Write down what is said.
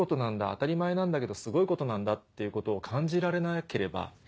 当たり前なんだけどすごいことなんだ」っていうことを感じられなければ。